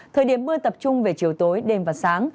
thời điểm mưa tập trung về chiều tối đêm và sáng